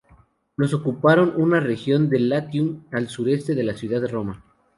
Los ocuparon una región del Latium al sureste de la ciudad de Roma.